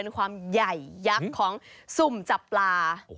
ความจะใหญ่ยักษ์ของซุ่มจับปลา